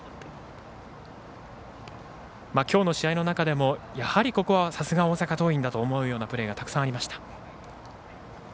今日の試合の中でもさすが大阪桐蔭だと思うようなプレーがたくさんありました。